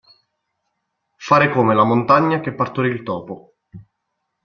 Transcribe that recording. Fare come la montagna che partorì il topo.